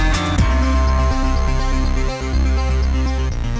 คุณคุณมากกว่าค่ะ